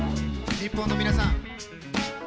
日本の皆さん